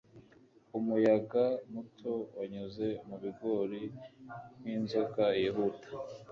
Umuyaga muto wanyuze mu bigori nkinzoka yihuta